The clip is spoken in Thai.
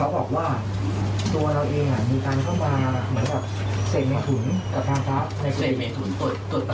พระแจ็คก็ทำงาน๗วันค่ะ